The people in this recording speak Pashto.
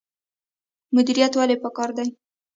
مدیریت ولې پکار دی؟